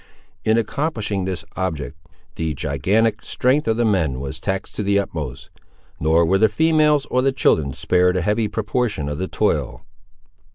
In accomplishing this object, the gigantic strength of the men was taxed to the utmost, nor were the females or the children spared a heavy proportion of the toil.